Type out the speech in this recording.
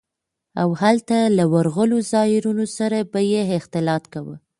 او هلته له ورغلو زايرينو سره به يې اختلاط کاوه.